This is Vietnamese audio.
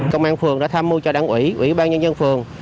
công an phường đã tham mưu cho đảng ủy ủy ban nhân dân phường